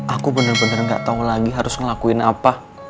aku bener bener gak tau lagi harus ngelakuin apa